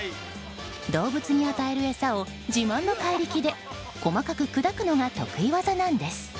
動物に与える餌を、自慢の怪力で細かく砕くのが得意技なんです。